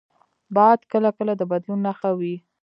باد کله کله د بدلون نښه وي